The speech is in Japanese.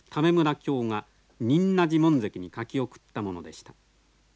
卿が仁和寺門跡に書き送ったものでした。